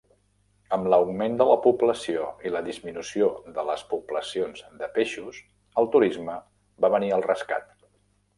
Amb l'augment de la població i la disminució de les poblacions de peixos, el turisme va venir al rescat.